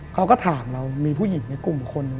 เขาก็ถามเรามีผู้หญิงในกลุ่มคน